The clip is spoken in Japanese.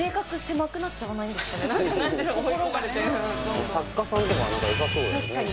狭くなっちゃわないんですかね